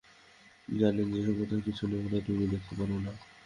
জানে যে, কোথাও কিছু নোংরা তুমি দেখতে পার না।